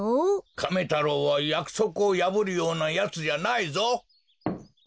カメ太郎はやくそくをやぶるようなやつじゃないぞ！